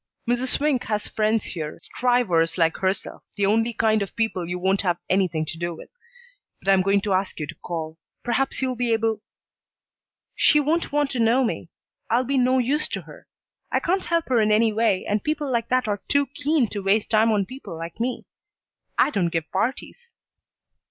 Mrs. Swink has friends here, strivers like herself the only kind of people you won't have anything to do with. But I'm going to ask you to call. Perhaps you'll be able " "She won't want to know me. I'll be no use to her. I can't help her in any way, and people like that are too keen to waste time on people like me. I don't give parties."